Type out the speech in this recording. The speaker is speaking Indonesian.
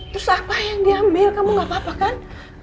terus apa yang diambil kamu gak apa apa kan